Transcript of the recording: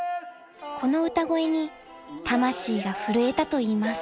この歌声に魂が震えたといいます］